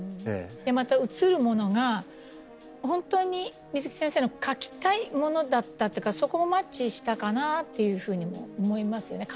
また映るものが本当に水木先生の描きたいものだったというかそこもマッチしたかなっていうふうにも思いますよね。